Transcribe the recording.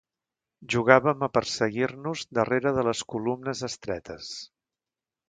Jugàvem a perseguir-nos darrere de les columnes estretes.